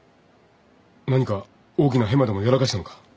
何か大きなへまでもやらかしたのか。